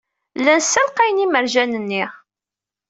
Llan ssalqayen imerjan-nni.